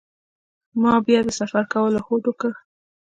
ما بیا د سفر کولو هوډ وکړ.